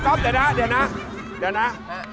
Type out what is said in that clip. ก๊อบเดี๋ยวนะ